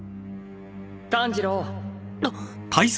炭治郎あっ！